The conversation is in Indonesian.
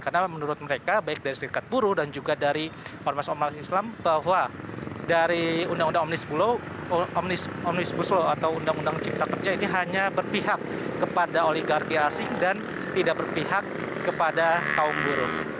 karena menurut mereka baik dari serikat buruh dan juga dari ormas ormas islam bahwa dari undang undang omnibus law atau undang undang cipta kerja ini hanya berpihak kepada oligarki asing dan tidak berpihak kepada kaum buruh